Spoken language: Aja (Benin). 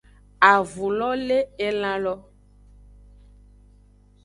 Avu lo le elan lo.